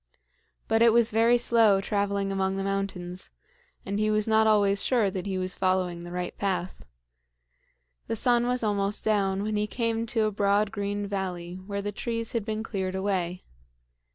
But it was very slow traveling among the mountains, and he was not always sure that he was following the right path. The sun was almost down when he came to a broad green valley where the trees had been cleared away.